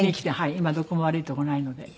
今どこも悪いところないので。